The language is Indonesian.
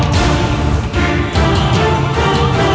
tidak ada apa apa